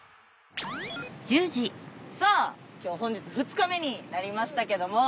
さあ今日本日２日目になりましたけども。